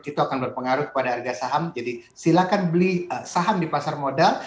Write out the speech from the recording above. itu akan berpengaruh kepada harga saham jadi silahkan beli saham di pasar modal